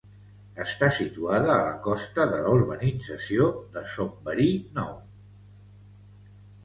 Està situada a la costa de la urbanització de Son Verí Nou.